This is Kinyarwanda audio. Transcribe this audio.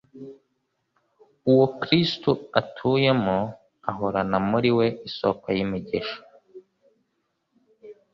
Uwo Kristo atuyemo ahorana muri we isoko y’imigisha —